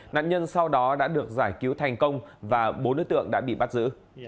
nạn nhân sau đó đã được giải cứu thành công và bốn đối tượng đã bị bắt giữ